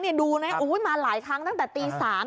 เนี่ยดูนะนะอู้อุ๊ยมาหลายครั้งตั้งแต่ตีสาม